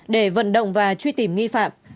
để vận động và truy tìm nghi phạm